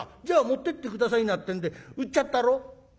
『じゃあ持ってって下さいな』ってんで売っちゃったろ」。